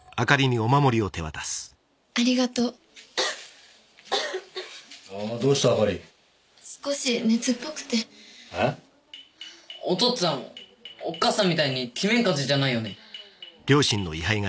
おとっつぁんおっかさんみたいに鬼面風邪じゃないよね？